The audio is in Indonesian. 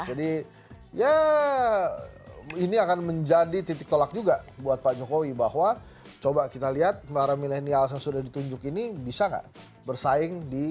jadi ya ini akan menjadi titik tolak juga buat pak jokowi bahwa coba kita lihat para bintang yang sudah ditunjuk ini bisa nggak bersaing di bintang